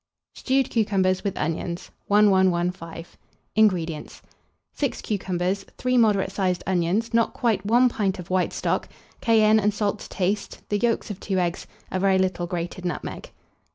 STEWED CUCUMBERS WITH ONIONS. 1115. INGREDIENTS. 6 cucumbers, 3 moderate sized onions, not quite 1 pint of white stock, cayenne and salt to taste, the yolks of 2 eggs, a very little grated nutmeg.